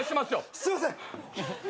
すいません！